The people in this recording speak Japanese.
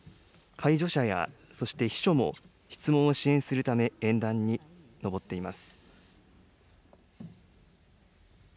介助者やそして秘書も、質問を支援するため、演壇にのぼっています。